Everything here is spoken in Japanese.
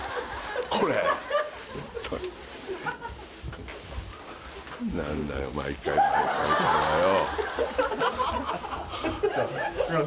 これホントに何なんだよ毎回毎回これはよ